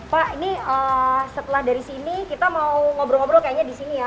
pak ini setelah dari sini kita mau ngobrol ngobrol kayaknya di sini ya